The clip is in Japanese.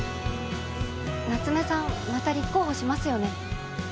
夏目さんまた立候補しますよね？